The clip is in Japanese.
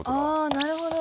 あなるほど。